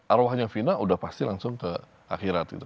arwahnya fina udah pasti langsung ke akhirat